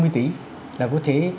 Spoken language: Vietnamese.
hai ba mươi tỷ là có thể